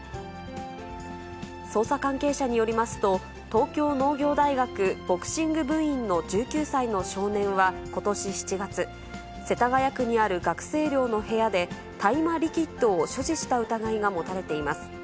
捜査関係者によりますと、東京農業大学ボクシング部員の１９歳の少年はことし７月、世田谷区にある学生寮の部屋で、大麻リキッドを所持した疑いが持たれています。